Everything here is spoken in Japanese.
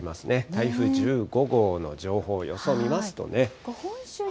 台風１５号の情報、予想見ますとね。